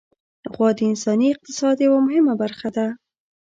غوا د انساني اقتصاد یوه مهمه برخه ده.